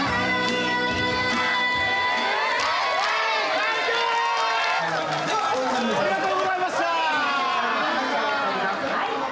夏シマシタありがとうございました！